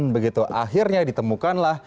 begitu akhirnya ditemukanlah